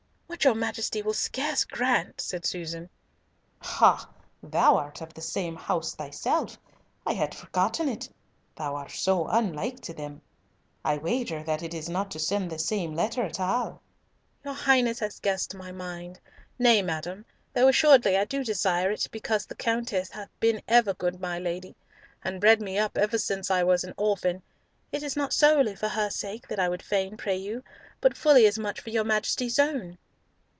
"What your Majesty will scarce grant," said Susan. "Ha! thou art of the same house thyself. I had forgotten it; thou art so unlike to them. I wager that it is not to send this same letter at all." "Your Highness hath guessed my mind. Nay, madam, though assuredly I do desire it because the Countess bath been ever my good lady, and bred me up ever since I was an orphan, it is not solely for her sake that I would fain pray you, but fully as much for your Majesty's own."